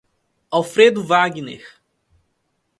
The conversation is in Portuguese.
Alfredo Wagner